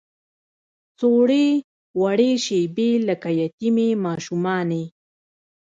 څووړې، وړې شیبې لکه یتیمې ماشومانې